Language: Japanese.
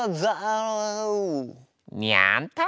にゃんと！